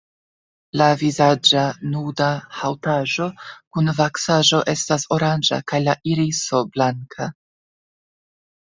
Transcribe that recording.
La vizaĝa nuda haŭtaĵo kun vaksaĵo estas oranĝa kaj la iriso blanka.